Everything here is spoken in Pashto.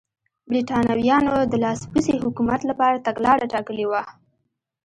برېټانویانو د لاسپوڅي حکومت لپاره تګلاره ټاکلې وه.